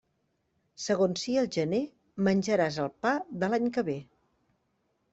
Segons sia el gener menjaràs el pa de l'any que ve.